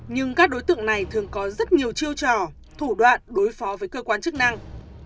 nhưng các đối tượng này thường có rất nhiều chiêu trò thủ đoạn đối phó với cơ quan chức năng